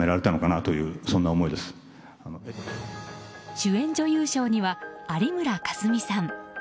主演女優賞には有村架純さん。